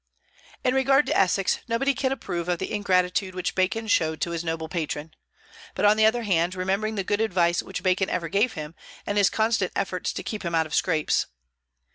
In regard to Essex, nobody can approve of the ingratitude which Bacon showed to his noble patron. But, on the other hand, remember the good advice which Bacon ever gave him, and his constant efforts to keep him out of scrapes.